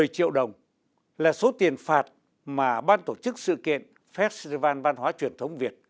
một mươi triệu đồng là số tiền phạt mà ban tổ chức sự kiện festival văn hóa truyền thống việt